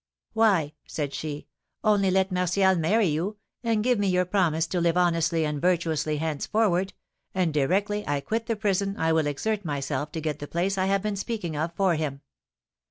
"'Why,' said she, 'only let Martial marry you, and give me your promise to live honestly and virtuously henceforward, and directly I quit the prison I will exert myself to get the place I have been speaking of for him.'"